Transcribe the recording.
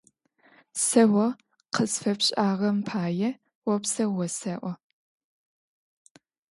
Сэ о къысфэпшӏагъэм пае опсэу осэӏо.